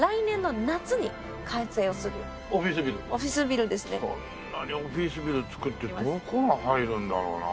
こんなにオフィスビル造ってどこが入るんだろうな？